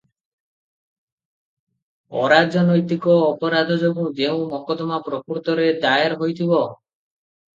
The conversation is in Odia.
ଅରାଜନୈତିକ ଅପରାଧ ଯୋଗୁଁ ଯେଉଁ ମକଦମା ପ୍ରକୃତରେ ଦାଏର ହୋଇଥିବ ।